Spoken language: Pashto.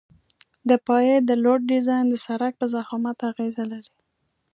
د پایې د لوډ ډیزاین د سرک په ضخامت اغیزه لري